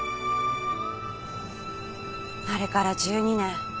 あれから１２年。